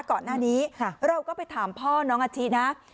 ก่อนหน้านี้เราก็ไปถามพ่อน้องอาชินะ